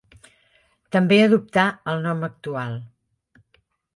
També adoptà el nom actual.